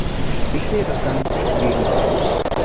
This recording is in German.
Ich sehe das ganz gegenteilig.